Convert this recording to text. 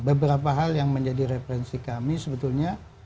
beberapa hal yang menjadi referensi kami sebetulnya